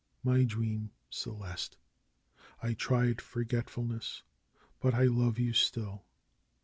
My dream ! Celeste! I tried forgetfulness; but I love you, still.